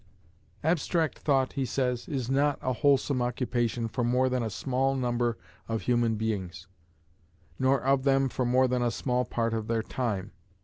Abstract thought, he says, is not a wholesome occupation for more than a small number of human beings, nor of them for more than a small part of their time.